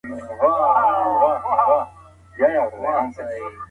که ماشومان چپس نه خوري نو غاښونه یې نه خوږېږي.